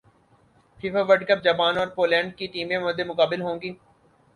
FIFA World Cup Japan اور Poland کی ٹیمیں مدمقابل ہوں گی